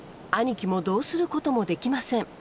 兄貴もどうすることもできません。